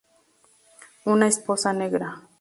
Una esposa negra.